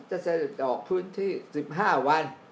จะเสด็จออกพื้นที่๑๕วัน